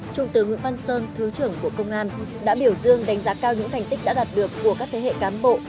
trung tướng văn sơn thứ trưởng của công an đã biểu dương đánh giá cao những thành tích đã đạt được của các thế hệ cám bộ